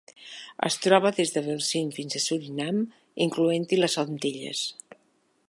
Es troba des de Belize fins a Surinam, incloent-hi les Antilles.